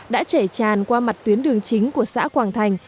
đã chảy tràn qua mặt tuyến đường chính của xã quảng thành